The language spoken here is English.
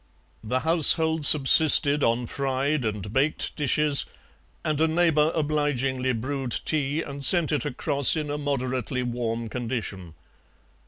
The household subsisted on fried and baked dishes, and a neighbour obligingly brewed tea and sent it across in a moderately warm condition.